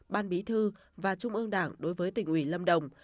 ban bí thư và trung ương đảng đối với tỉnh ủy lâm đồng